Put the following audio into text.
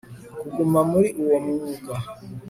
kuguma muri uwo mwuga